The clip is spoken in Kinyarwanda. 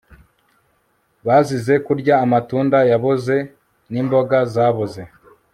bazize kurya amatunda yaboze nimboga zaboze